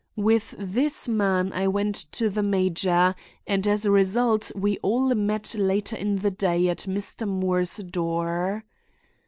With this man I went to the major, and as a result we all met later in the day at Mr. Moore's door.